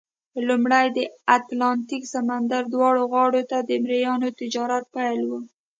لومړی د اتلانتیک سمندر دواړو غاړو ته د مریانو تجارت پیل وو.